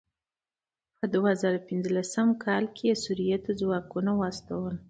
په دوه زره پنځلسم کال کې یې سوريې ته ځواکونه واستول.